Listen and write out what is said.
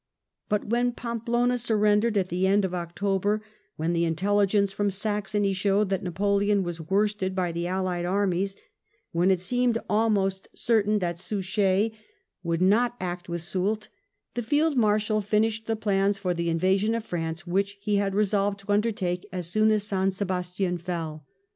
But when Pampeluna surrendered at the end of October, when the intelligence from Saxony showed that Napoleon was worsted by the Allied armies, when it seemed almost VIII PASSAGE OF THE BIDASSOA 189 certain that Suchet would not act with Soult, the Field Marshal finished the plans for the invasion of France which he had resolved to undertake as soon as San Sebastian fell.